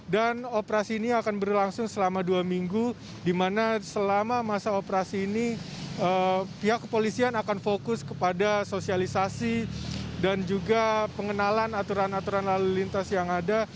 dan operasi ini akan berlangsung selama dua minggu di mana selama masa operasi ini pihak kepolisian akan fokus kepada sosialisasi dan juga pengenalan aturan aturan lalu lintas yang ada